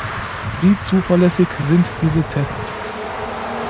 Wie zuverlässig sind diese Tests?